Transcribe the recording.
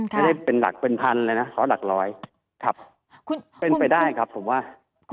การท่องเที่ยวทั้งหมดเนี่ยคาดว่าจะค่อยค่อยทยอยมาเนี่ยประมาณสักเดือนไหนคะ